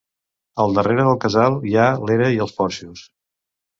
Al darrere del casal hi ha l'era i els porxos.